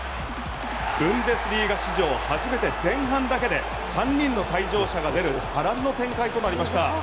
ブンデスリーガ史上初めて前半だけで３人の退場者が出る波乱の展開となりました。